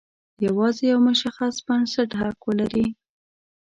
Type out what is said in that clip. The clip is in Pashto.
یوازې یو مشخص بنسټ حق ولري.